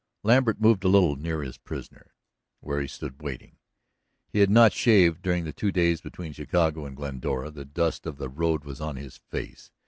Lambert moved a little nearer his prisoner, where he stood waiting. He had not shaved during the two days between Chicago and Glendora; the dust of the road was on his face.